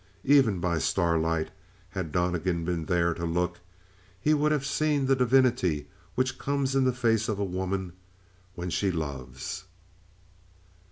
Even by starlight, had Donnegan been there to look, he would have seen the divinity which comes in the face of a woman when she loves.